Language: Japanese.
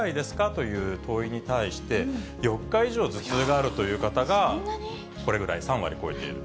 という問いに対して、４日以上頭痛があるという方が、これぐらい、３割超えている。